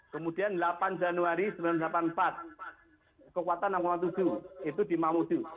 kemudian delapan januari seribu sembilan ratus delapan puluh empat kekuatan enam tujuh itu di mamuju